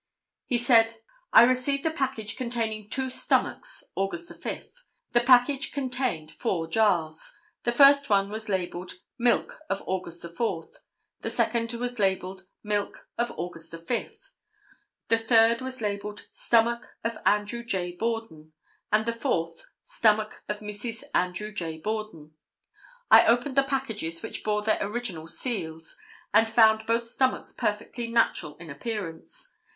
He said: "I received a package containing two stomachs August 5. The package contained four jars. The first one was labelled 'Milk of August 4,' the second was labelled 'Milk of August 5,' the third was labelled 'Stomach of Andrew J. Borden,' and the fourth, 'Stomach of Mrs. Andrew J. Borden.' I opened the packages, which bore their original seals, and found both stomachs perfectly natural in appearance.